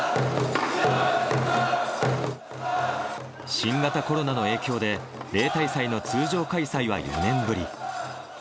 新型コロナの影響で、例大祭の通常開催は４年ぶり。